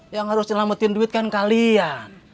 yang harus nyelamatin duit kan kalian